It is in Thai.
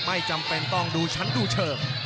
ไม่จำเป็นต้องดูชั้นดูเชิง